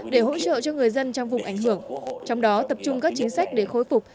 để hỗ trợ cho người dân trong vùng ảnh hưởng trong đó tập trung các chính sách để khôi phục